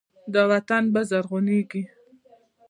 دا وطن به زرغونیږي.